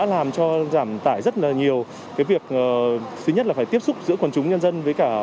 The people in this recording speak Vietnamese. làm cho giảm tải rất là nhiều cái việc thứ nhất là phải tiếp xúc giữa quần chúng nhân dân với cả